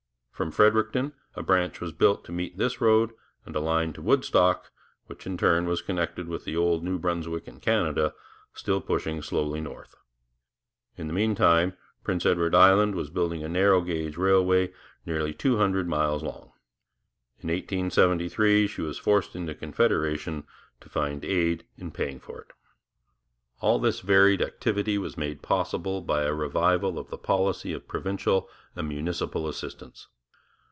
From Fredericton a branch was built to meet this road, and a line to Woodstock, which in turn was connected with the old New Brunswick and Canada, still pushing slowly north. In the meantime Prince Edward Island was building a narrow gauge railway nearly two hundred miles long; in 1873 she was forced into Confederation to find aid in paying for it. All this varied activity was made possible by a revival of the policy of provincial and municipal assistance.